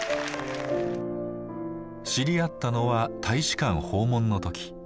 知り合ったのは大使館訪問の時。